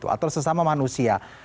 atau sesama manusia